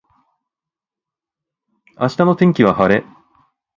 明日の天気は晴れ